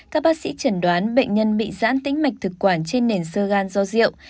các bác sĩ trần đoán bệnh nhân bị giãn tính mạch thực quản trên nền sơ gan do diệu